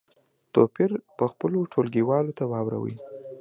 توپیر په خپلو ټولګیوالو ته واوروئ.